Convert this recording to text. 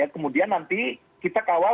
kemudian nanti kita kawal